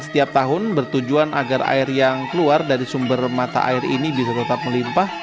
dan setiap tahun bertujuan agar air yang keluar dari sumber mata air ini bisa tetap melimpah